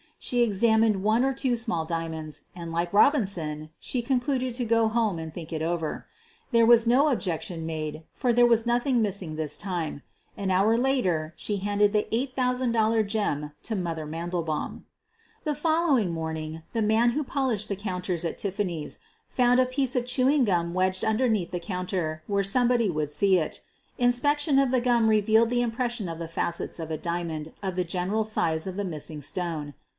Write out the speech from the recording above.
She examined one or two small diamonds and, like Robinson, she con eluded to go home and think it over. There was no objection made, for there was nothing missing this time. An hour later she handed the $8,000 gem to "Mother" Mandelbaum. The following morning the man who polished the QUEEN OF THE BURGLARS 195 counters at Tiffany's found a piece of chewing gum wedged underneath the counter where nobody would see it. Inspection of the gum revealed the impres sion of the facets of a diamond of the general size of the missing stone.